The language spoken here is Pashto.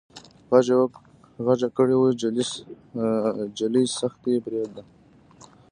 غږ يې کړ وه جلۍ سختي پرېدئ.